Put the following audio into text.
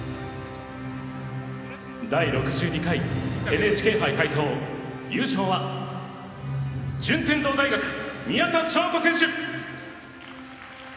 第６２回ＮＨＫ杯体操優勝は順天堂大学、宮田笙子選手。